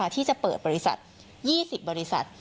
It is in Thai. ที่จะเปิดบริษัท๒๐บริษัท